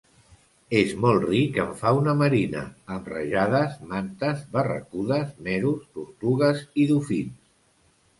És molt ric en fauna marina amb rajades, mantes, barracudes, meros, tortugues i dofins.